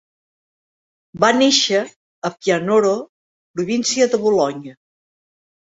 Va néixer a Pianoro, província de Bolonya.